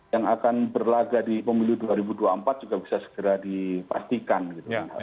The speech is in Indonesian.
yang akan berlaga di pemilu dua ribu dua puluh empat juga bisa segera dipastikan gitu